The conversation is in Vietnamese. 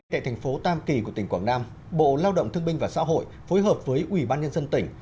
tại thành phố tam kỳ của tỉnh quảng nam bộ lao động thương binh và xã hội phối hợp với ủy ban nhân dân tỉnh